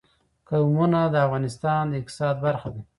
قومونه د افغانستان د اقتصاد برخه ده.